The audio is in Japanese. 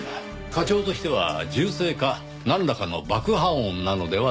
課長としては銃声かなんらかの爆破音なのではないかと。